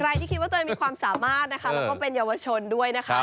ที่คิดว่าตัวเองมีความสามารถนะคะแล้วก็เป็นเยาวชนด้วยนะคะ